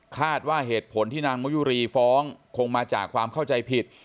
คาดว่าเหตุผลที่นางมะยุรีฟ้องคงมาจากความเข้าใจผิด